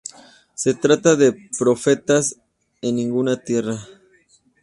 Se trata de "Profetas en ninguna tierra.